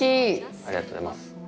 ありがとうございます。